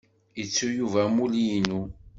Ittu Yuba amulli-inu.